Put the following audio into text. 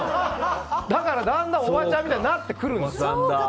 だから、だんだんおばちゃんみたいになってくるんですよ。